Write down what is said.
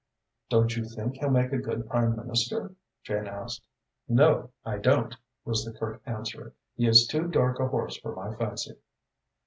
"Don't you think he'll make a good Prime Minister?" Jane asked. "No, I don't," was the curt answer. "He is too dark a horse for my fancy."